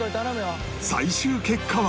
最終結果は